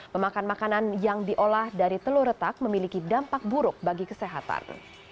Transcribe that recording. memakan makanan yang diolah dari telur retak memiliki dampak buruk bagi kesehatan